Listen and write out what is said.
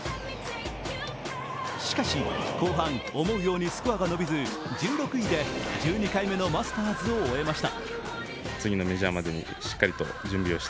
しかし、後半、思うようにスコアが伸びず、１６位で１２回目のマスターズを終えました。